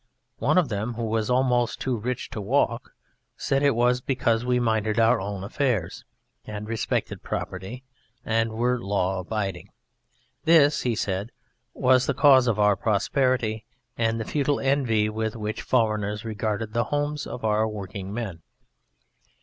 One of them, who was almost too rich to walk, said it was because we minded our own affairs, and respected property and were law abiding. This (he said) was the cause of our prosperity and of the futile envy with which foreigners regarded the homes of our working men.